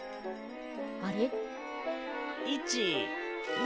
あれ？